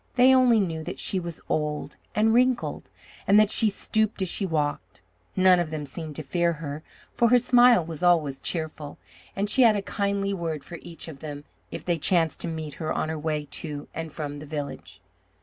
They only knew that she was old and wrinkled, and that she stooped as she walked. None of them seemed to fear her, for her smile was always cheerful, and she had a kindly word for each of them if they chanced to meet her on her way to and from the village.